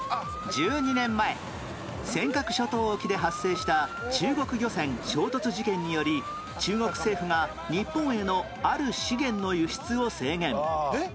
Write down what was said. １２年前尖閣諸島沖で発生した中国漁船衝突事件により中国政府が日本へのある資源の輸出を制限